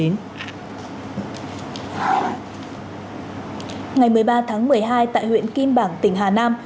ngày một mươi ba tháng một mươi hai tại huyện kim bảng tỉnh hà nam